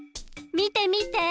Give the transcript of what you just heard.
みてみて！